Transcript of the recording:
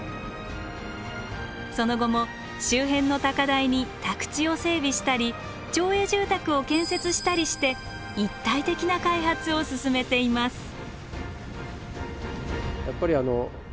その後も周辺の高台に宅地を整備したり町営住宅を建設したりして一体的な開発を進めています。